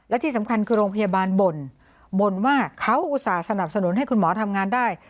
และที่สำคัญคือโรงพยาบาลบ่นบ่นว่าเขาอุตส่าหสนับสนุนให้คุณหมอทำงานได้